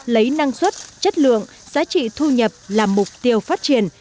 lấy năng suất chất lượng giá trị thu nhập là mục tiêu phát triển